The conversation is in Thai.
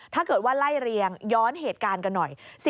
ถ้าเกิดว่าไล่เรียงย้อนเหตุการณ์กันหน่อย